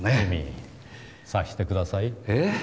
察してください。